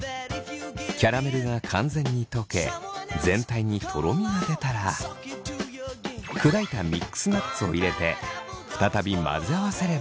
キャラメルが完全に溶け全体にとろみが出たら砕いたミックスナッツを入れて再び混ぜ合わせれば完成です。